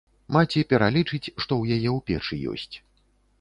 Маці пералічыць, што ў яе ў печы ёсць.